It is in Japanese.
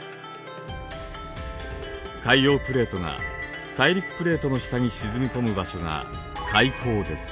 海洋プレートが大陸プレートの下に沈み込む場所が海溝です。